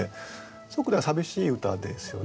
すごく寂しい歌ですよね